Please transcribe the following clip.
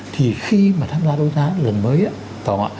thì khi mà tham gia đấu giá lần mới á